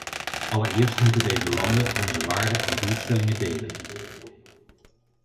Allereerst moeten deze landen onze waarden en doelstellingen delen.